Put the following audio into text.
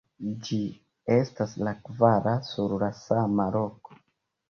Ĝi estas la kvara sur la sama loko.